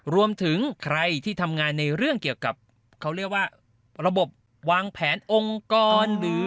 รวมถึงใครที่ทำงานในเรื่องเกี่ยวกับเขาเรียกว่าระบบวางแผนองค์กรหรือ